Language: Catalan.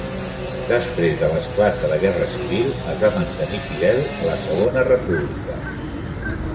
Després de l'esclat de la Guerra civil es va mantenir fidel a la Segona República.